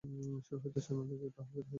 সেই হইতে সেনদিদি তাহাকে রেহাই দেয় না।